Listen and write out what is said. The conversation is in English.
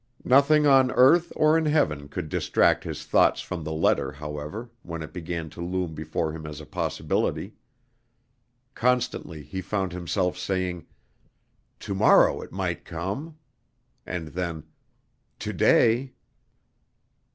Nothing on earth or in heaven could distract his thoughts from the letter, however, when it began to loom before him as a possibility. Constantly he found himself saying, "To morrow it might come." And then, "To day."